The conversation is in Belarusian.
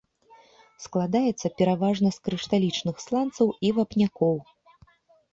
Складаецца пераважна з крышталічных сланцаў і вапнякоў.